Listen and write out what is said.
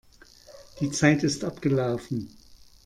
Die Zeit ist abgelaufen.